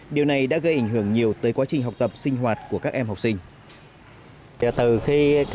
điều này đã gây ảnh hưởng nhiều tới quá trình học tập sinh hoạt của các em học sinh